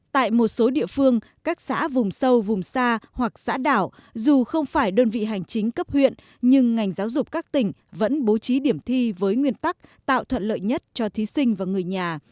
tại một số địa phương các xã vùng sâu vùng xa hoặc xã đảo dù không phải đơn vị hành chính cấp huyện nhưng ngành giáo dục các tỉnh vẫn bố trí điểm thi với nguyên tắc tạo thuận lợi nhất cho thí sinh và người nhà